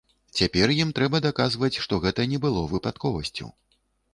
Цяпер ім трэба даказваць, што гэта не было выпадковасцю.